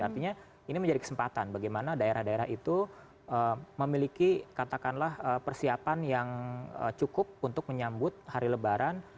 artinya ini menjadi kesempatan bagaimana daerah daerah itu memiliki katakanlah persiapan yang cukup untuk menyambut hari lebaran